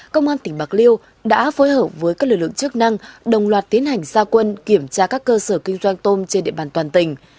công an tỉnh bạc liêu đã phối hợp với các lực lượng chức năng đồng loạt tiến hành gia quân kiểm tra các cơ sở kinh doanh tôm trên địa bàn toàn tỉnh